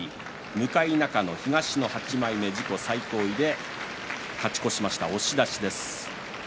向中野は東の８枚目で自己最高位勝ち越しました、押し出しです。